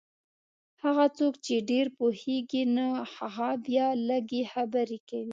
هغه څوک چې ډېر پوهېږي نو هغه بیا لږې خبرې کوي.